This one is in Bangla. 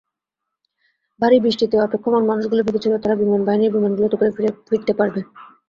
ভারী বৃষ্টিতে অপেক্ষমাণ মানুষগুলো ভেবেছিল, তারা বিমান বাহিনীর বিমানগুলোতে করে ফিরতে পারবে।